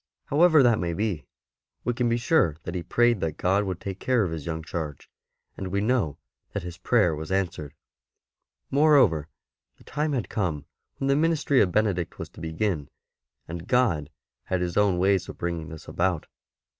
However that may be, we can be sure that he prayed that God would take care of his young charge ; and we know ' that his prayer was answered. Moreover, the time had come when the ministry of Benedict was to begin, and God had His own ways of bringing this about.